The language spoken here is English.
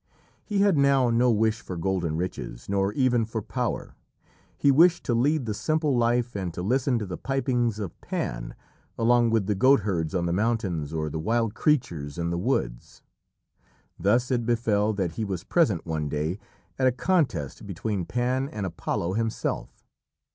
He had now no wish for golden riches, nor even for power. He wished to lead the simple life and to listen to the pipings of Pan along with the goat herds on the mountains or the wild creatures in the woods. Thus it befell that he was present one day at a contest between Pan and Apollo himself.